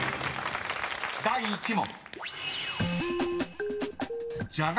［第１問］